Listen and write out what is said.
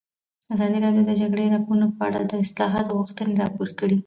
ازادي راډیو د د جګړې راپورونه په اړه د اصلاحاتو غوښتنې راپور کړې.